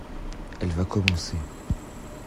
Elle va commencer.